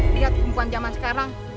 lihat perempuan zaman sekarang